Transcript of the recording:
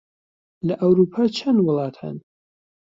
لە ئەورووپا چەند وڵات هەن؟